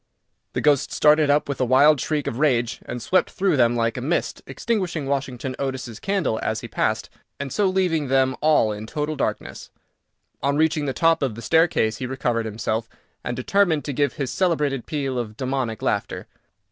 The ghost started up with a wild shriek of rage, and swept through them like a mist, extinguishing Washington Otis's candle as he passed, and so leaving them all in total darkness. On reaching the top of the staircase he recovered himself, and determined to give his celebrated peal of demoniac laughter.